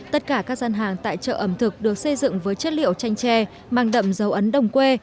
tất cả các gian hàng tại chợ ẩm thực được xây dựng với chất liệu chanh tre mang đậm dấu ấn đồng quê